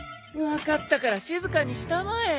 分かったから静かにしたまえ。